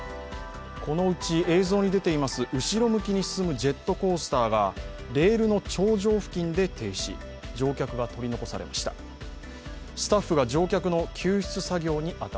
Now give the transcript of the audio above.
このうち映像に出ています、後ろ向きに進むジェットコースターがレールの頂上付近で停止乗客が取り残されました。